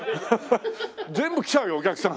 全部来ちゃうよお客さん。